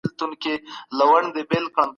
تاسو اوس دا دنده نوي کس ته ورسپارئ.